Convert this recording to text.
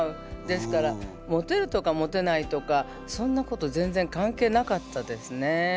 ですからモテるとかモテないとかそんなこと全然関係なかったですね。